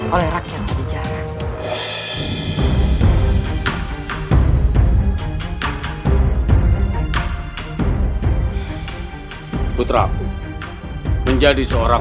oleh rakyat padijaran